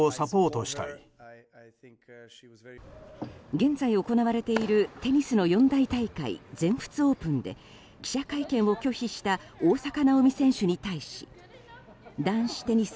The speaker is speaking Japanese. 現在行われているテニスの四大大会全仏オープンで記者会見を拒否した大坂なおみ選手に対し男子テニス